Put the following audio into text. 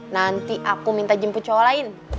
nanti aku minta jemput cewek lain